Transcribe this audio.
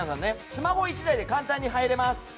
スマホ１台で簡単に入れます。